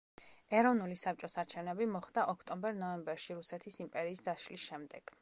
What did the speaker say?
ეროვნული საბჭოს არჩევნები მოხდა ოქტომბერ-ნოემბერში რუსეთის იმპერიის დაშლის შემდეგ.